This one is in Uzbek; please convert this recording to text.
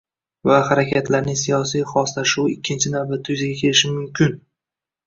va harakatlarning siyosiy xoslashuvi ikkinchi navbatda yuzaga kelishi mumkin